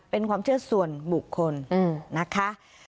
เป็นความเชื่อส่วนบุคคลนะคะ